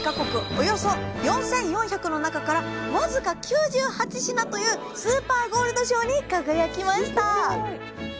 およそ４，４００の中から僅か９８品というスーパーゴールド賞に輝きましたすごい！